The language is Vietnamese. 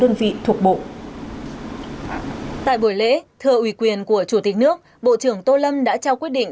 đơn vị thuộc bộ tại buổi lễ thưa ủy quyền của chủ tịch nước bộ trưởng tô lâm đã trao quyết định